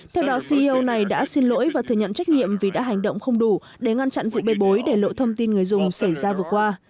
theo đó ceo này đã xin lỗi và thừa nhận trách nhiệm vì đã hành động không đủ để ngăn chặn vụ bê bối để lộ thông tin người dùng xảy ra vừa qua